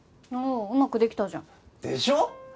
ああうまくできたじゃん。でしょ？